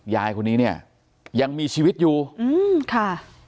ยายคนนี้เนี่ยยังมีชีวิตอยู่อืมค่ะ